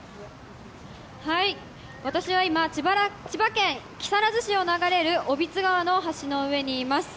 私は今、千葉県木更津市を流れる小櫃川の橋の上にいます。